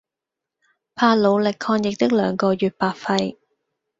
怕努力抗疫的兩個月白費